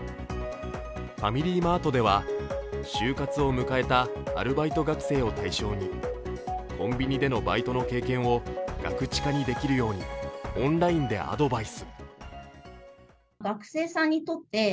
ファミリーマートでは就活を迎えたアルバイト学生を対象にコンビニでのバイトの経験をガクチカにできるようにオンラインでアドバイス。